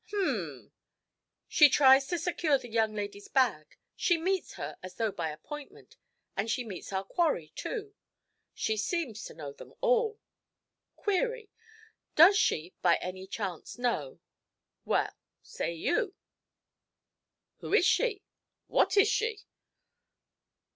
'Um m! She tries to secure the young lady's bag; she meets her as though by appointment; and she meets our quarry, too. She seems to know them all. Query: Does she, by any chance, know well, say you? Who is she? What is she?'